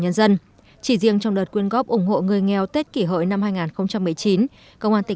nhân dân chỉ riêng trong đợt quyên góp ủng hộ người nghèo tết kỷ hội năm hai nghìn một mươi chín công an tỉnh